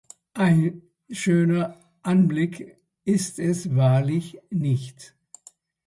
Ein schöner Anblick ist es wahrlich nicht.